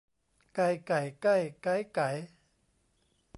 ไก ไก่ ไก้ ไก๊ ไก๋